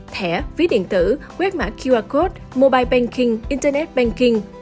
thẻ ví điện tử quét mã qr code mobile banking internet banking